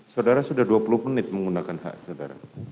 saudara sudah dua puluh menit menggunakan hak saudara